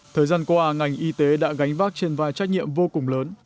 thời gian qua ngành y tế đã gánh vác trên vai trách nhiệm vô cùng lớn